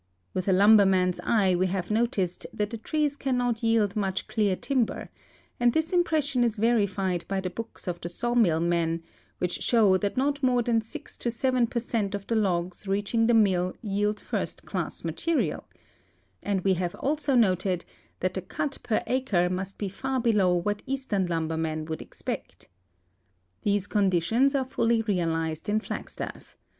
W^ith a lumberman's eye we have noticed that the trees cannot yield much clear timber, and this impression is verified by the books of the sawmill men, which show that not more than 6 to 7 per cent of the logs reaching the mill yield first class material; and we have also noted that the cut per acre must be far below what eastern lumbermen would expect. These conditions are fully realized in Flagstaff.